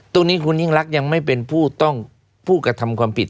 ตรงนี้คุณยิ่งรักยังไม่เป็นผู้ต้องผู้กระทำความผิด